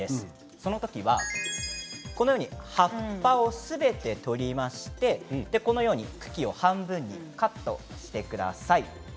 その時は葉っぱをすべて取りまして茎を半分にカットしてください。